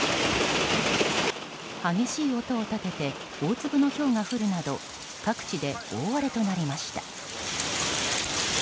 激しい音を立てて大粒のひょうが降るなど各地で大荒れとなりました。